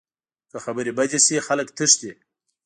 که خبرې بدې شي، خلک تښتي